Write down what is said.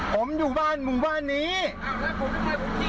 ผมอยู่บ้านหมู่บ้านนี้